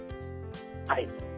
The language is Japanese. はい。